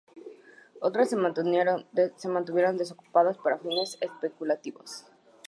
Otras se mantuvieron desocupadas, para fines especulativos.